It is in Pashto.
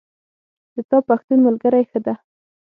د تا پښتون ملګری ښه ده